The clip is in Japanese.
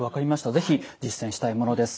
是非実践したいものです。